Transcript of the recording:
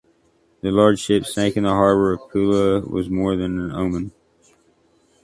The large ship sank in the harbor of Pula was more than an omen.